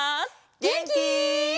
げんき？